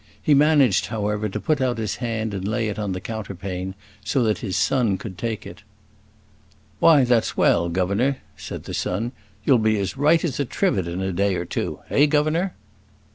He managed, however, to put out his hand and lay it on the counterpane, so that his son could take it. "Why, that's well, governor," said the son; "you'll be as right as a trivet in a day or two eh, governor?"